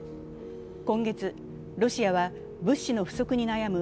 今月、ロシアは物資の不足に悩む